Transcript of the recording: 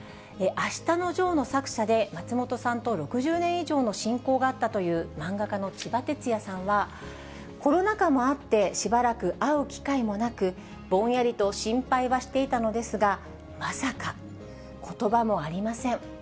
あしたのジョーの作者で、松本さんと６０年以上の親交があったという漫画家のちばてつやさんは、コロナ禍もあって、しばらく会う機会もなく、ぼんやりと心配はしていたのですが、まさか、ことばもありません。